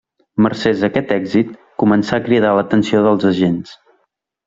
Mercès a aquest èxit començà a cridar l'atenció dels agents.